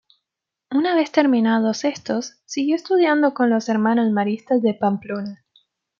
Una vez terminados estos, siguió estudiando con los Hermanos Maristas de Pamplona.